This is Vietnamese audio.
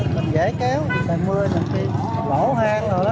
mình dễ kéo ngày mưa thì lỗ hang rồi đó